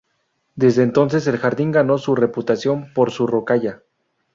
Desde entonces el jardín ganó su reputación por su rocalla.